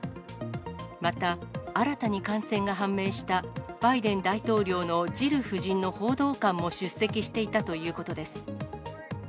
また、新たに感染が判明した、バイデン大統領のジル夫人の報道官も出席していたということです。